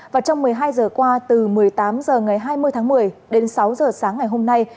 và trong một mươi hai giờ qua từ một mươi tám h ngày hai mươi tháng một mươi đến sáu h sáng ngày hôm nay